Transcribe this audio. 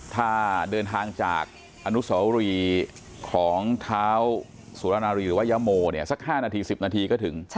ถ้าเดินทางจากอนุสรีของเท้าสุรนารีหรือวัยโมสัก๕๑๐นาทีก็ถึง